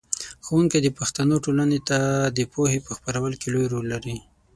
ښوونکی د پښتنو ټولنې ته د پوهې په خپرولو کې لوی رول لري.